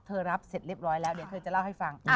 รับเสร็จเรียบร้อยแล้วเดี๋ยวเธอจะเล่าให้ฟัง